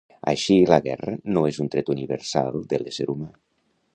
Així, la guerra no és un tret universal de l'ésser humà.